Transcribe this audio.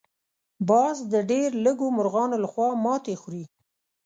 باز د ډېر لږو مرغانو لخوا ماتې خوري